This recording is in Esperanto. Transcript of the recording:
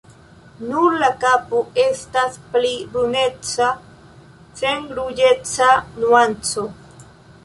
Nur la kapo estas pli bruneca sen ruĝeca nuanco.